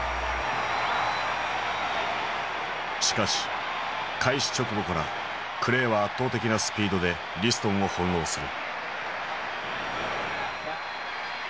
しかし開始直後からクレイは圧倒的なスピードでリストンを翻弄する。